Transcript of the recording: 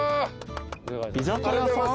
居酒屋さん？